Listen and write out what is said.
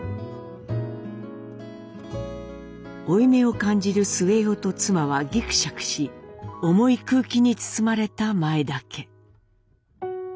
負い目を感じる末男と妻はぎくしゃくし重い空気に包まれた前田家。